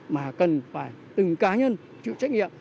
mà cần phải từng cá nhân chịu trách nhiệm